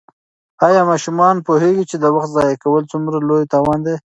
آیا ماشومان پوهېږي چې د وخت ضایع کول څومره لوی تاوان دی؟